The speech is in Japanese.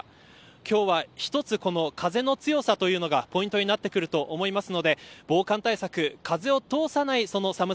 今日は一つ、風の強さというのがポイントになってくると思いますので防寒対策風を通さない寒さ